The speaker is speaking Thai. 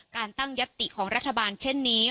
การตั้งยัตติของรัฐบาลเช่นนี้